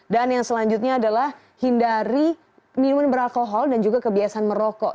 dan yang selanjutnya adalah hindari minuman beralkohol dan juga kebiasaan merokok